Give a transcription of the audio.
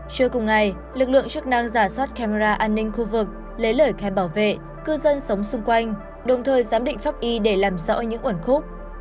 chưa cùng ngày lực lượng chức năng giả soát camera an ninh khu vực lấy lời khai bảo vệ cư dân sống xung quanh đồng thời giám định pháp y để làm rõ những uẩn khúc